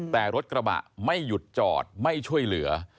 แต่รถกระบะไม่หยุดจอดไม่ช่วยเหลือ